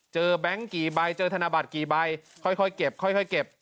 แบงค์กี่ใบเจอธนบัตรกี่ใบค่อยเก็บค่อยเก็บ